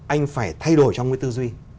anh phải thay đổi trong cái tư duy